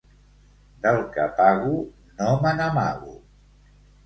Del que pago no me n'amago.